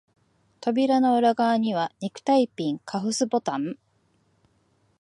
扉の裏側には、ネクタイピン、カフスボタン、